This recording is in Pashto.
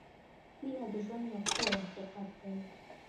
• مینه د ژوند یو ښکلی حقیقت دی.